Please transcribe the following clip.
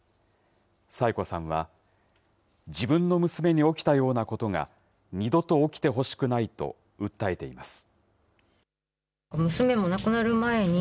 佐永子さんは、自分の娘に起きたようなことが、二度と起きてほしくないと訴えています。